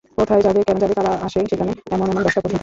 কোথায় যাবে, কেন যাবে, কারা আছে সেখানে—এমন এমন দশটা প্রশ্ন থাকে।